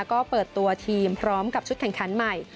ก็เปิดตัวทีมพร้อมกับชุดแข่งขันใหม่